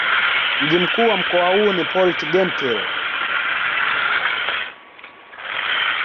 Mji mkuu wa mkoa huu ni Port-Gentil.